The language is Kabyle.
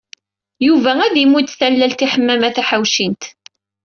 Yuba ad imudd tallelt i Ḥemmama Taḥawcint.